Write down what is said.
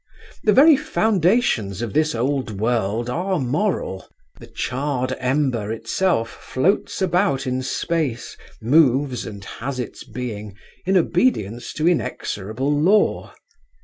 The very foundations of this old world are moral: the charred ember itself floats about in space, moves and has its being in obedience to inexorable law.